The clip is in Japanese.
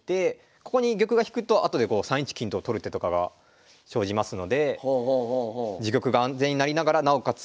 ここに玉が引くと後で３一金と取る手とかが生じますので自玉が安全になりながらなおかつ